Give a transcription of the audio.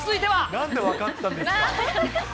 なんで分かったんですか？